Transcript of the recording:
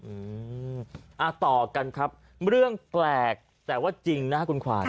อืมอ่าต่อกันครับเรื่องแปลกแต่ว่าจริงนะครับคุณขวาน